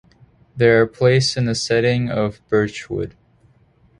They are placed in a setting of birch wood.